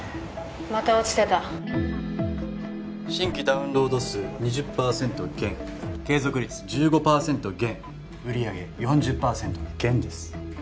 また落ちてた新規ダウンロード数２０％減継続率１５％減売上４０％減です